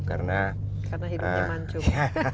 karena hidungnya mancung